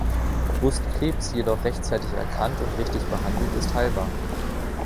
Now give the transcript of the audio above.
Brustkrebs jedoch rechtzeitig erkannt und richtig behandelt ist heilbar.